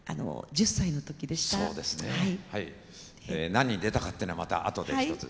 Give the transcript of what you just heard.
何に出たかっていうのはまた後でひとつ。